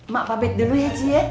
mak pabit dulu ya ji ya